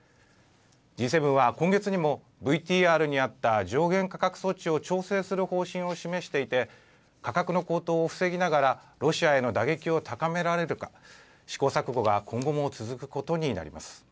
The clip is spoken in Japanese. Ｇ７は今月にもＶＴＲにあった上限価格措置を調整する方針を示していて価格の高騰を防ぎながらロシアへの打撃を高められるか試行錯誤が今後も続くことになります。